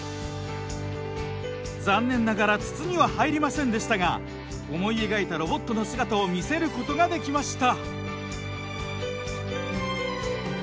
残念ながら筒には入りませんでしたが思い描いたロボットの姿を見せることができました。